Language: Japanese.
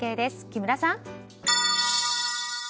木村さん。